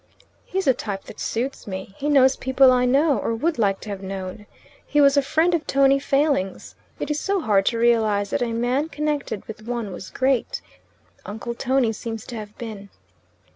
"He's a type that suits me. He knows people I know, or would like to have known. He was a friend of Tony Failing's. It is so hard to realize that a man connected with one was great. Uncle Tony seems to have been.